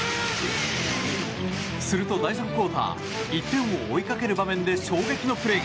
すると第３クオーター１点を追いかける場面で衝撃のプレーが。